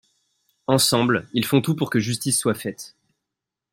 Ensemble, ils font tout pour que justice soit faite.